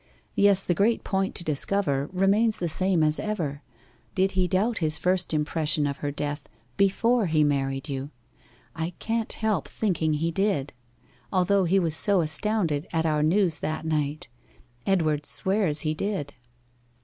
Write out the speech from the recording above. Yes, the great point to discover remains the same as ever did he doubt his first impression of her death before he married you. I can't help thinking he did, although he was so astounded at our news that night. Edward swears he did.